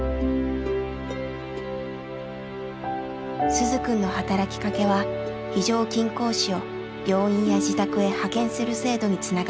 鈴くんの働きかけは非常勤講師を病院や自宅へ派遣する制度につながりました。